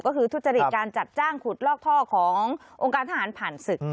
ก็คือทุจริตการจัดจ้างขุดลอกท่อขององค์การทหารผ่านศึก